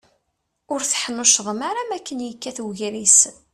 Ur teḥnuccḍem ara makken yekkat ugris.